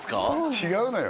違うのよ